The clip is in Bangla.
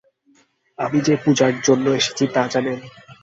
আমি যে পূজার জন্যেই এসেছি তা জানেন?